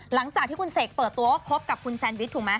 หลังจากที่คุณเสกเปิดตัวว่าคบกับคุณแซนวิชถูกไหม